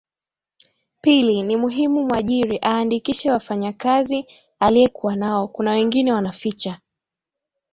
pili ni muhimu mwajiri aandikishe wanafanya kazi aliyekuwa nao kuna wengine wanaficha